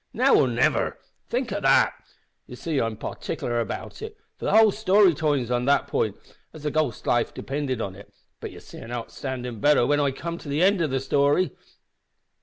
`Now or niver!' Think o' that! You see I'm partikler about it, for the whole story turns on that pint, as the ghost's life depended on it, but ye'll see an' onderstan' better whin I come to the end o' the story."